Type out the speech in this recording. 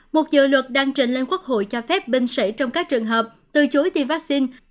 một dự luật đang trình lên quốc hội cho phép binh sĩ trong các trường hợp từ chối tiêm vaccine